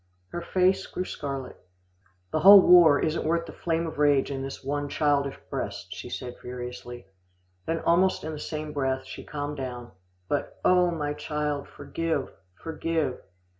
Her face grew scarlet. "The whole war isn't worth the flame of rage in this one childish breast," she said furiously. Then almost in the same breath, she calmed down, "But oh! my child forgive, forgive.